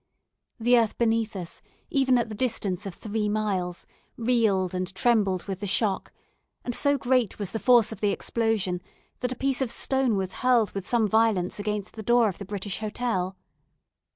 The earth beneath us, even at the distance of three miles, reeled and trembled with the shock; and so great was the force of the explosion, that a piece of stone was hurled with some violence against the door of the British Hotel.